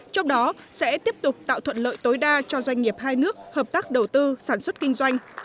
trong đó sẽ tiếp tục tạo thuận lợi tối đa cho doanh nghiệp hai nước hợp tác đầu tư sản xuất kinh doanh